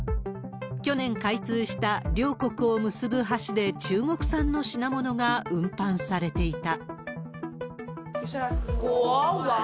去年開通した両国を結ぶ橋で中国産の品物が運搬されていた。